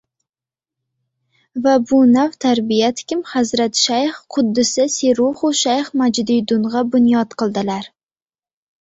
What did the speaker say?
Va bu navʼ tarbiyatkim, Hazrat shayx quddisa sirruhu shayx Majdudingʻa bunyod qildilar